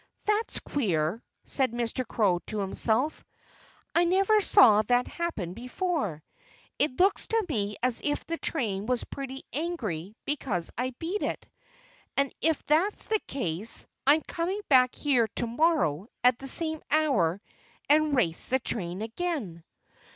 "That's queer!" said Mr. Crow to himself. "I never saw that happen before. It looks to me as if the train was pretty angry because I beat it. And if that's the case, I'm coming back here to morrow at the same hour and race the train again."